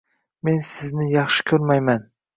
“men sizni yaxshi ko‘rmayman